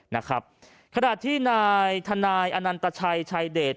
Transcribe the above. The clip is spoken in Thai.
นะครับขณะที่นายทนายอนันตชัยชายเดช